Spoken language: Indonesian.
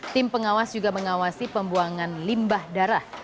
tim pengawas juga mengawasi pembuangan limbah darah